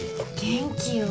元気よ。